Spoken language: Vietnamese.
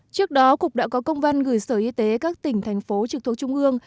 trước đó cục đã có công văn gửi sở y tế các tỉnh thành phố trực thuộc trung ương